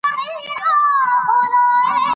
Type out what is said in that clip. کرکټ د ډېرو خلکو د خوښي بازي ده.